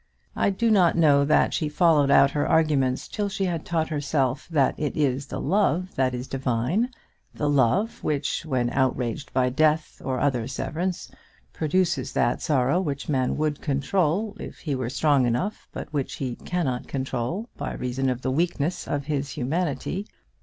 I do not know that she followed out her arguments till she had taught herself that it is the Love that is divine, the Love which, when outraged by death or other severance, produces that sorrow which man would control if he were strong enough, but which he cannot control by reason of the weakness of his humanity.